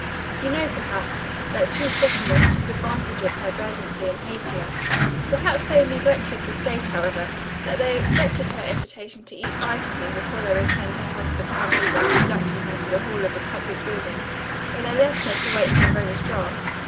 You know, perhaps, that two sophomores took advantage of her verdancy and hazed her. Perhaps they neglected to state, however, that they accepted her invitation to eat ice cream before they returned her hospitality by conducting her to the hall of a public building where they left her to wait for the registrar.